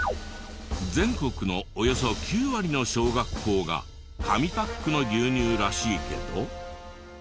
全国のおよそ９割の小学校が紙パックの牛乳らしいけど。